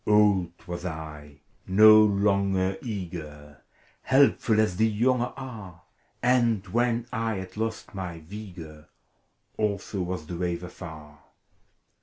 Old was I, no longer eager. Helpful, as the younger are : And when I had lost my vigor, Also was the wave afar.